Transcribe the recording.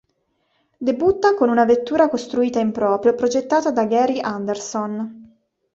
Debutta con una vettura costruita in proprio progettata da Gary Anderson.